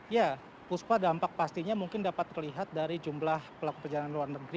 ya puspa dampak pastinya mungkin dapat terlihat dari jumlah pelaku perjalanan luar negeri